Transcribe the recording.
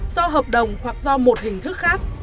do hợp đồng hoặc do một hình thức khác